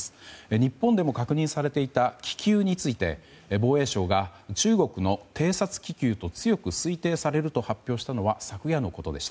日本でも確認されていた気球について防衛省が中国の偵察気球と強く推定されると発表したのは昨夜のことでした。